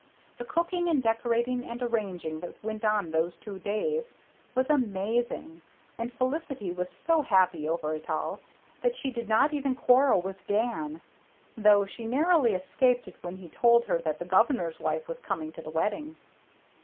The cooking and decorating and arranging that went on those two days was amazing, and Felicity was so happy over it all that she did not even quarrel with Dan though she narrowly escaped it when he told her that the Governor's wife was coming to the wedding.